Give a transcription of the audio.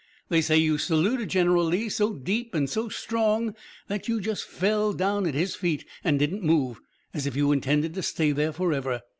They say you saluted General Lee so deep and so strong that you just fell down at his feet an' didn't move, as if you intended to stay there forever.